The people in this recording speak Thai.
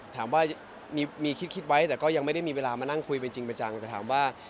ถามว่ามีคิดไว้แต่ก็ยังไม่ได้มีเวลามานั่งคุยเป็นจริงเป็นจังแต่ถามว่า